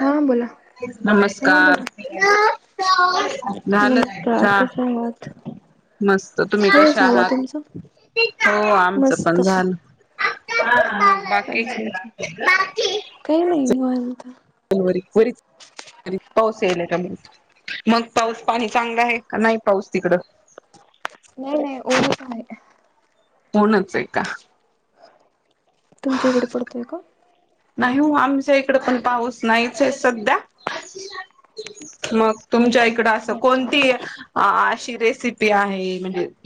हा बोला हा नमस्कार. बोला झालं नमस्कार चा कसे आहात? मस्त, तुम्ही हो कशा झाला आहात? तुमचा? हो आमचं मस्त पण झालं. अच्छा बाकी? अच्छा काही नाही निवांत वरी पाऊस येल का मग पाऊस पाणी चांगलं आहे का नाही पाऊस तिकड नाही नाही ओढूक आहे कोणच हे का? तुमच्या इकडे पडतोय का? नाही हो आमच्या इकड पण पाऊस नाहीच आहे सध्या मग तुमच्या इक त असं अच्छा कोणती अशी रेसि ते आहे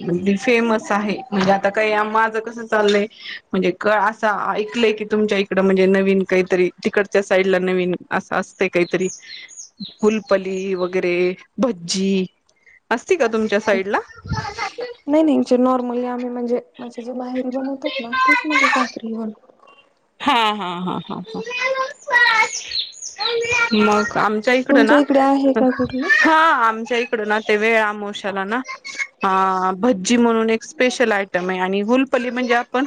म्हणजे फेमस आहे म्हणजे आता काही माझं कस चाललय म्हणजे असं ऐकलंय की तुमच्या इकड म्हणजे नवीन काहीतरी तिकडच्या साईड ला नवीन असतय असते काहीतरी फुलपली वगैरे भज्जी असती का तुमच्या साईडला? नाही नाही जे नॉर्मली आम्ही म्हणजे माझे जे माहेरी बनवतात ना तेच माझ्या सासरी बनत हा हा हा हा ह मग आमच्या इकडं तुमच्या ना इकडे आहे का कुठली? हा आमच्या इक कुड नाते वेळ अमोशाला ना आ भज्जी म्हणून एक स्पेशल आयटम आहे. आणि गुलपली म्हणजे आपण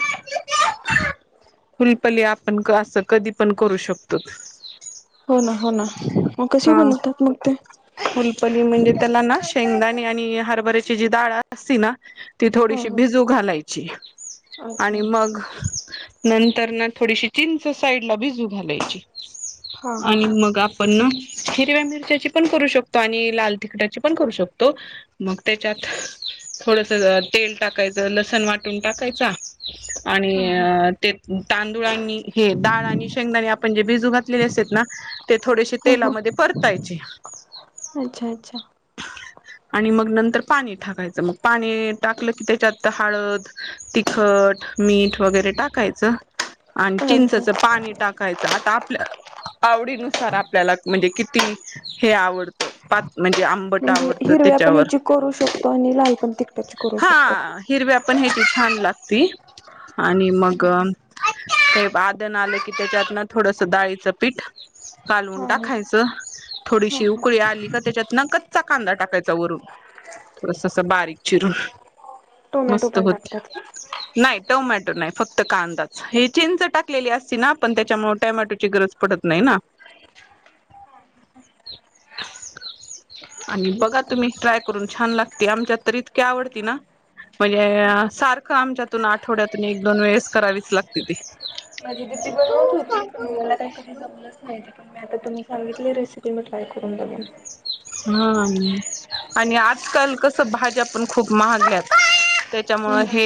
फुलपली आपण असं कधी पण करू शकतो. हो ना हो ना मग कसे हा बनवतात मग ते? फुलपली म्हणजे त्याला ना शेंगदाणे आणि हारबर्‍याची जी दाळ असती ना ती हा थोडीशी भिजू हा घालाय ची अच्छा आणि मग नं तर ना थोडीशी चिंच साईड ला भिजू घालायची हा हा आणि मग आप पण ना हिरव्या मिरच्याची पण करू शकतो. आणि लाल तिकटाची पण करू शकतो. मग त्याच्यात थोडस तेल टाकायचं लसण वाटून टाकायचा आणि हा हा अ ते टां व्यानी हे दाळ आणि शेंगदाणे आपण जे भिजू घातलेले असेत ना ते थोडेसे ह ह तेलामध्ये परतायचे. अच्छा अच्छा आणि मग नंतर पाणी टाकायचं मग पाणी टाकलं की त्याच्यात हळद तिखट मीठ वगैरे टाकायचं. आणि अच्छा चिंचाचं पाणी टाकायचं. आता आपल्या आवडीनुसार आपल्याला म्हणजे किती हे आवडतं पात म्हणजे आं म्हणजे हिरव्या पण ह्याची करू शकतो आणि लाल पण तिकट्याची करू शकतो. हा हिरव्या पण ह्याची छान लागती आणि मग ते आदन आले की त्याच्यात ना थोडस डाळीचं पीठ कालून हा हा टाकायचं थोडीशी उकळी आली का त्याच्यात नकत कांदा टाकायचा वरून थोडस अस बारीक चिरून टोमॅटो मस्त पण होतिया टाकतात. नाही तव माझी फक्त कांदाच हे चिंच टाकलेली असती. ना पण त्याच्यामुळे टमॅटोची गरज पडत नाही ना. आणि बघा तुम्ही ट्राय करून छान लागते. आमच्यात तर इतकी आवडती ना म्हणजे सारखं आमच्यातून आठवड्यातून एक दोन वेळेस करावीच लागते ती. माझी दीदी बनवत होती. पण मला काही कधी जमलंच नाही. पण मी आता तुम्ही सांगितली रेसिपी मी ट्राय करून बगेन. हा आणि आजकाल कस भाज्या पण खूप महाग्यात त्याच्यामुळ हो ना हे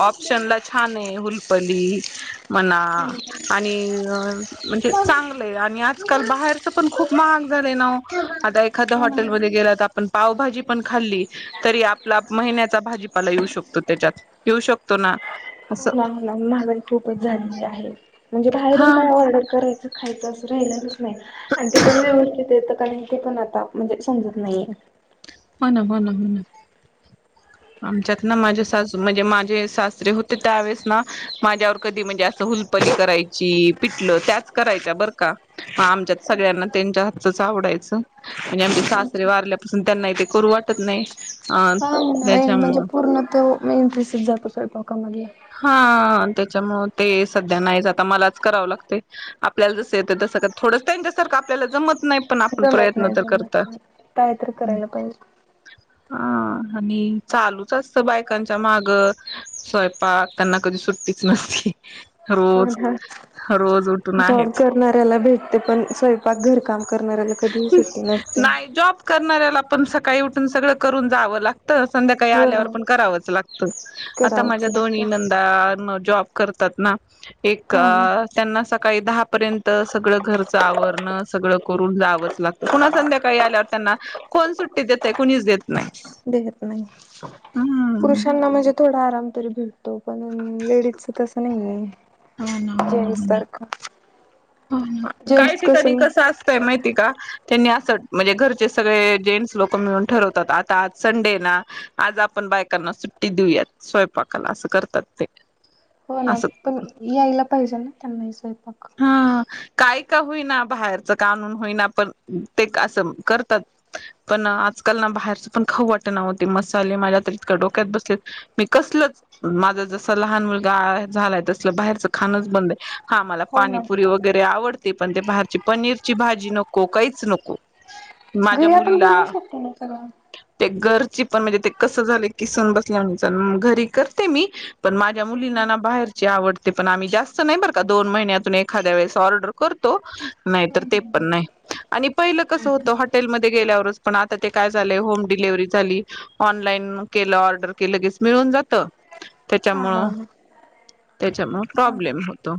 ऑप्शनला छान आहे. हुलपली म्हणा आणि म्हणजे चांगलंय आणि आजकाल बाहेरच पण खूप महाग झालं ना आता एखाद्या हो ना. हॉटेलमध्ये गेला तर आपण पावभाजी पण खाल्ली तरी आपला महिन्याचा भाजीपाला येऊ शकतो. त्याच्यात येऊ शकतो ना. हो असं ना ना मागई खूपच झालेली आहे. म्हणजे बाहेरून हा काय ऑर्डर करायचं खायचं राहिला नाही आणि ते वेळ वर कुठे येत. ते पण आता म्हणजे समजत नाहीये. हो ना हो ना हो ना आमच्यात ना माझे सास म्हणजे माझे सासरे होते त्यावेेळेस ना माझ्यावर कधी म्हणजे असं हुलपली करायची पिटलं त्याच करायच्या बरं का मग आमच्यात सगळ्यांना त्यांच्या हातच आवडायचं म्हणजे आमचे सासरे वारल्यापासून त्यांना इथ करू वाटत नाही अं त्यांच्यामुळ ही नाही तर इंटरेस्ट जातोय स्वयंपाका मधला. त्याच्यामुळेळ ते सध्या नाही जाता मलाच करावं लागतय आपल्याला जसं येतं तसं थोडंच त्यांच्यासारखं आपल्याला जमत नाही. पण आपण जमत प्रयत्न नाही तर जमत करता नाही कायतरी करायला पाहिजे. हा आणि चालूच असत बायकांच्या माग स्वयंपाक त्यांना कधी सुट्टीच नसती. रोज ह रोज उठून जॉब आहेच करणाऱ्याला भेटते पण स्वयंपाक घरकाम करणाऱ्याला कधीही सुट्टी नसते. नाही जॉब करणाऱ्याला पण सकाळी उठून सगळं करून जावं लागत. संध्याकाळी हो आल्यावर ना. पण करावंच लागतं आता करावंच माझ्या लागत दोन्ही नंदा जॉब करतात ना. एक हा हा त्यांना सकाळी दहा पर्यंत सगळं घरच आवरण सगळ आवरुन जावच लागत पुन्हा संध्याकाळी आल्यावर त्यांना कोण सुट्टी देतय कुणीच देत. नाही देत नाही हम्म पुरुषांना म्हणजे थोडा आराम तरी भेट तो पण लेडीज च तसं नाही आहे. जेन्ट्स सारखं. काय ठिकाणी कसं असतंय माहितीय का? त्यांनी असं म्हणजे घरचे सगळे जेंट्स लोक मिळून ठरवतात आता आज संडे ना आज आपण बायकांना सुट्टी देऊयात स्वयंपाकाला असं करतात ते. हो ना असं पण यायला पाहिजे ना. त्याना ही स्वयं पाक हा काय का होईना बाहेरच कानून होईना पण ते असं करतात पण आजकाल ना बाहेरचं पण खऊ वाट नव्हते मसाले माझ्या तर इतक डोक्यात बसलेत मी कसलच माझा जसा लहान मुलगा झालाय तसल बाहेरचं खाणच बंद आहे हा मला हो ना. पाणीपुरी वगैरे आवडत, पण ते बाहेर पनीरची भाजी नको काहीच नको, घरी आपण मुलीला बनवू शकतो ना सगळं. तेर ण म्हणजे कस झाले किसून बस घरी करते मी पण माझ्या मुलींना बाहेर आवडते पण आम्ही जास्त नाही बर दोन महिन्या एखाद्या वेळेस ऑर्डर करतो नाही ते पण नाही आणि पहिलं कस होत हॉटेलमध्ये गेल्यावरच पण आ ते काय झा होम डिलव्हरी झाली ऑनलाईन के ऑर्डर केलं क मिळून जात. हा हा त्याच्यामुळं हा त्याच्यामुळ चालतंय. प्रॉब्लेम होतो.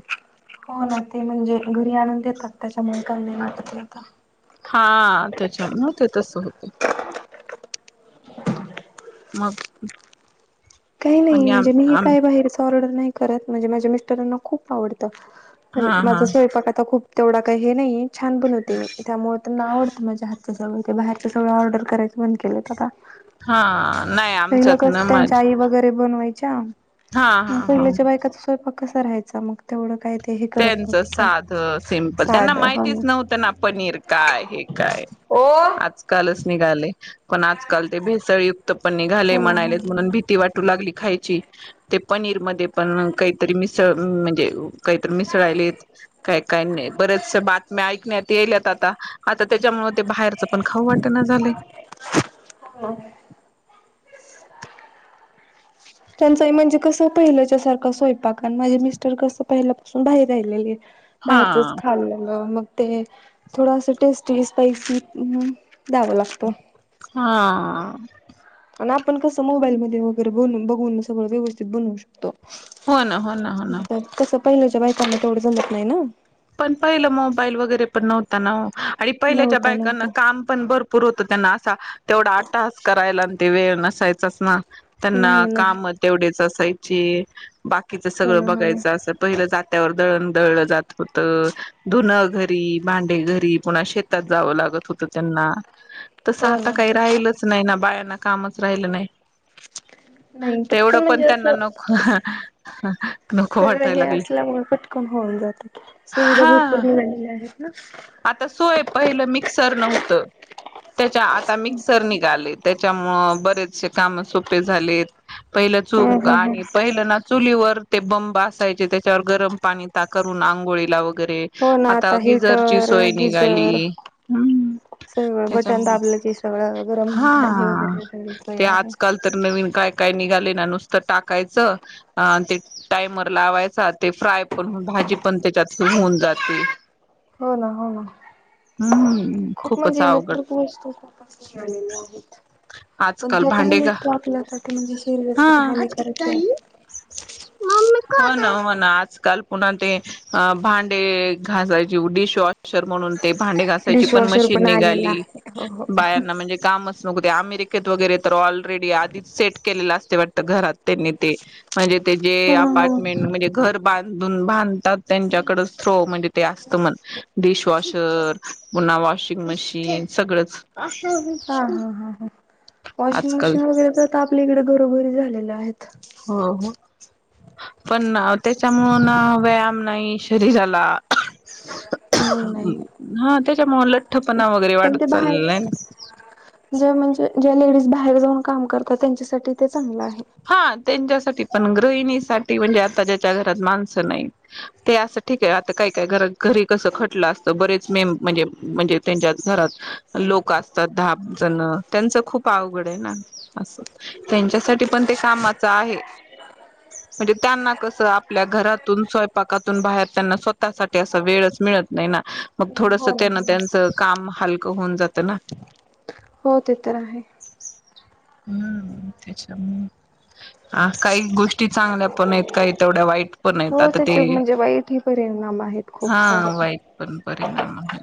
हो ना ते म्हणजे घरी आणून देतात त्याच्यामुळे कले नाट आता हा त्याच्या हो ते तस होत. मग काही नाही आणि आम म्हणजे मी हे आम काय बाहेर ऑर्डर नाही करत म्हणजे माझ्या मिस्टरां खूप आवडत पण हा हा माझा स्वयंपाक आता खूप तेवढा का हे नाही. छान पण होते मी त्यामुळे त्यांना आवडतं माझ्या त्याच्या मुळ ते बाहेर च ते बाहेर सगळं ऑर्डर करायचं बंद केलेत आता. हा. नाही पहिलं आमच्यात ना कसं मा त्यांच्या आई वगैरे बनवायच्या. पहिल्याच्या बायकाचा स्वयपाक कसं राहायंच मग तेवढं काय ते हे करत त्यांच नव्हतं पण. साध सिम्पल त्यांना साधं हो माहितीच नव्हतं ना पनीर काय हे काय आजकालच निघाले. पण आजकाल ते भेसळ तप पण निघाले हो ना हो ना. म्हणालेत म्हणून भीती वाटू लागली खायची. ते पनीर मध्ये पण काहीतरी मिसळ म्हणजे मिसळालेत काय काय नाही बरेच बातम्या ऐकण्यात याल्यात आता त्याच्यामुळे ते बाहेरच पण खाऊ वाटण झालं. कोण ये? त्यांचं म्हणजे कस पहिलंच्या सारखं स्वयंपाक आणि माझे मिस्टर कसं पहिल्यापासून बाहेर राहिलेले. हा बाहेरचच खाल्ल मग ते थोडस टेस्टी, स्पायसी म्हणून द्याव लागत. हा. पण आपण कसं मोबाईलमध्ये वगैरे बनून बघून सगळं व्यवस्थित बनवू शकतो. हो ना हो ना हो ना. पहिलच्या बायकांना तेवढं जमत नाही ना? पण पहिलं मोबाईल वगैरे पण नव्हता ना ओ. आणि पहिल्याच्या नव्हता बायकांना नव्हता काम पण भरपूर होतं त्यांना असा तेवढा अटाहास करायला. ते वेळ नसायचाच ना. त्यांना नाही नाही काम तेवढीच अस ची बाकी की च हो सगळं ना हो ना बघायचं अस पहिलं जात त्यावर दळण दळलं जात. होत धुन घरी. भांडे घरी. पुन्हा शेतात जावं लागत होत त्यांना. तसं हो आता ना काही राहिलच नाही ना बाहेर ना कामच राहिलं नाही. नाही. तेवढं पटकन पण म्हणजे त्यांना असं नको नको सगळं वाटायला हे लागली असल्यामुळे पटकन होऊन जातं. सुविधा हा भरपूर निवडल्या आहे. आता सोय पहिलं मिक्सर नव्हतं, त्याच्या आता मिक्सर निघालय त्याच्या मग बरेचसे काम सोपे झालेत. पहिलं चू हा हा हा आणि पहिलं ना चुलीवर ते बंब असायचे त्याच्यावर गरम पाणी ता करून आंघोळी ला हो ना आता हिटर सग गीजर निघाली हम्म सगळं बटण त्याच्यामुळे दाबलं की सगळं गरम पाणी हा वगैरे सगळी सोय आहे. का काय निघाले ना नुसत टाकायचं ते टाइमर लावायच ते फ्राय पण भाजी पण त्याच्यात होऊन जाते. हो ना, हो ना, हम्म खूप खूपच म्हणजे अवघड इलेक्ट्रिक वस्तू खूप आलेल्या आहेत पण आजकाल त्या भांडे काही का वस्तू आपल्या म्हणजे हा शरीरासाठी हानिकारक काही आहेत. काल पुन्हा ते अ भांडे घासायचे. ज डिश वॉशर म्हणून ते भांडे घासायची पण डिशवॉशर मशीन आलेला निघाली आहे हो हो. हो बायांना म्हणजे काम अमेरिकेत वगैरे तर ऑलरेडी आधीच सेट केलेला असते वाटत घरात त्यांनी ते म्हणजे ते जे ना हो. ना. अपार्टमेंट म्हणजे घर ब बांधतात त्यांच्याकडच थ्रो म्हणजे ते अस मण डिशवॉशर पुन्हा वॉशिंग मशीन सगळंच हा [unintelligible] हा हा हा वॉशिंग आजकाल मशीन वगैरे तापले घरोघरी झालेल्या आहेत. हो हो, पण त्याच्यामुळं व्यायाम नाही शरीराला. नाही नाही. हा त्याच्यामुळे लठ्ठपणा वगैरे पण ते वाढत बाहेर चालला आहे ना जे म्हणजे ज्या लेडीज बाहेर जाऊन काम करतात त्यांच्यासाठी ते चांगलं आहे. हा त्यांच्यासाठी पण गृहिणीसाठी म्हणजे, आता ज्याच्या घरात माणसं नाही ते असं ठीक आहे आता काय काय घरात घरी कस खटलं असत बरेच मे म्हणजे म्हणजे त्यांच्या घरात लोक असतात दहा जण त्यांच खूप अवघड आहे. ना अस त्यांच्यासाठी पण ते कामाच आहे. म्हणजे त्यांना कस आपल्या घरातून स्वयंपाकातून बाहेर त्यांना स्वतःसाठी असा वेळच मिळत नाही ना मग थोडस हो ना त्यांना हो ना. त्यांच काम हलकं होऊन जात ना. हो ते तर आहे हम् त्याच्या हा काही गोष्टी चांगल्या पण आहेत काही तेवढ्या वाईट पण आहेत हो आता ते त्याचे म्हणजे वाईट ह परिणाम आहेत खूप सारे हा वाईट पण परिणाम आहे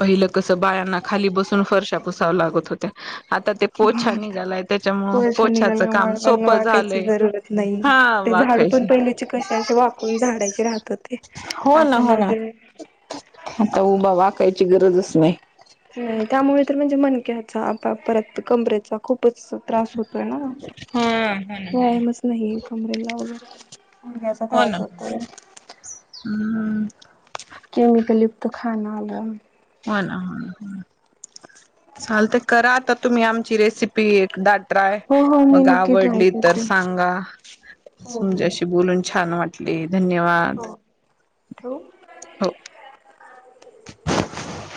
पहिलं कस बायांना खाली बसून फरशा पुसाव लागत होत्या आता ते पोछा निघालाय त्याच्यामुळ वर्ष पोछ्याचं काम निघाल्यामुळे पण सोपं वाकायची झालंय जरूरत नाही हा ते झाडू पण वाकायची पहिलीचे कसे अस वाकून झाडायचे राहत होते हो ना आता हो ना म्हणजे. कायची गरजच नाही. नाही त्यामुळे तर म्हणजे मन परत कमरेचा खूप खूपच त्रास होतोय ना, व्यायामच नाही कमरे लावला. मग्याचा हो ना त्रास होतोय. हम्म केमिकल युक्त खाणा आला. ह चालतंय तर करा आता तुम्ही आमची रेसिपी ट्राय हो हो मी मग नक्की ट्राय आवडली तर करते सांगा हो म्हजे अशी बोलून छान वाट ते. धन्यवाद हो ठेवू हो